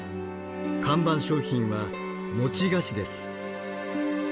看板商品は菓子です。